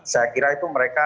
saya kira itu mereka